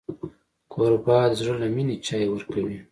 کوربه د زړه له مینې چای ورکوي.